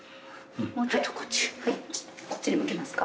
こっちに向けますか？